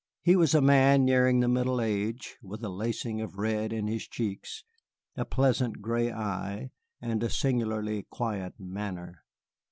He was a man nearing the middle age, with a lacing of red in his cheeks, a pleasant gray eye, and a singularly quiet manner.